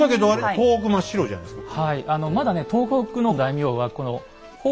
東北真っ白じゃないですか。